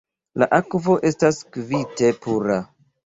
La akvo estas kvite pura.